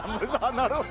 なるほど。